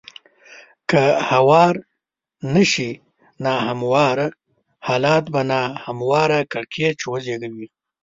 که هوار نه شي نا همواره حالات به نا همواره کړکېچ وزېږوي.